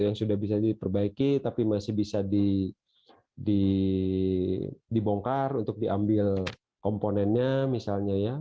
yang sudah bisa diperbaiki tapi masih bisa dibongkar untuk diambil komponennya misalnya ya